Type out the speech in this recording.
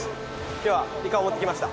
今日はイカを持ってきました。